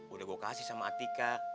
udah gue kasih sama atika